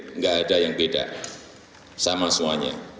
tidak ada yang beda sama semuanya